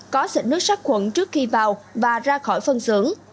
có xịn nước sắc khuẩn trước khi vào và ra khỏi phân xưởng